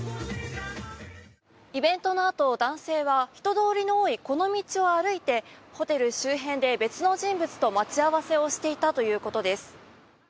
イベントのあと、男性は人通りの多いこの道を歩いてホテル周辺で別の人物と待ち合わせをしていたということです。